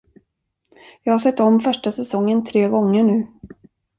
Jag har sett om första säsongen tre gånger nu.